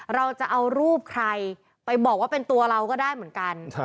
เราจะเอารูปใครไปบอกว่าเป็นตัวเราก็ได้เหมือนกัน